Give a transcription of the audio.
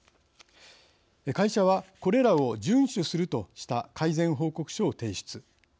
会社はこれらを順守するとした改善報告書を提出。